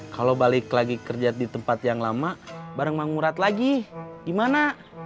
kalau balik lagi kerja di tempat yang lama bareng mangurat lagi gimana